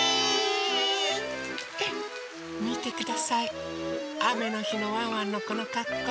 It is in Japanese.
みてくださいあめのひのワンワンのこのかっこう。